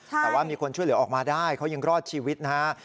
แต่ว่ามีคนช่วยเหลือออกมาได้เขายังรอดชีวิตนะฮะ